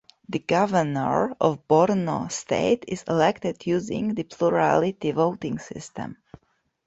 The Governor of Borno State is elected using the plurality voting system.